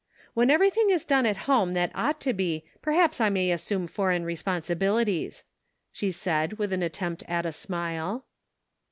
" When everything is done at home that ought to be, perhaps I may assume foreign responsibilities," she said, with an attempt at a smile.